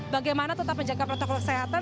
bagaimana tetap menjaga protokol kesehatan